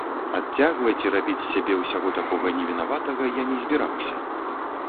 Адцягваць і рабіць з сябе ўсяго такога невінаватага я не збіраўся.